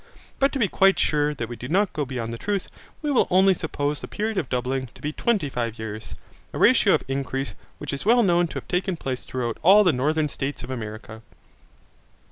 But to be quite sure that we do not go beyond the truth, we will only suppose the period of doubling to be twenty five years, a ratio of increase which is well known to have taken place throughout all the Northern States of America.